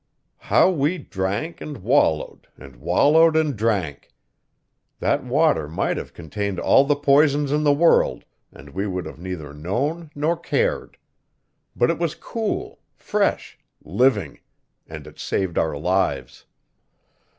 How we drank and wallowed, and wallowed and drank! That water might have contained all the poisons in the world and we would have neither known nor cared. But it was cool, fresh, living and it saved our lives.